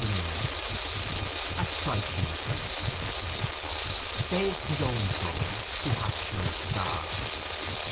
Part Second AT CHRISTMINSTER _"Save his own soul he hath no star."